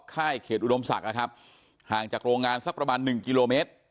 ค่ายเขตอุดมศักดิ์นะครับห่างจากโรงงานสักประมาณหนึ่งกิโลเมตร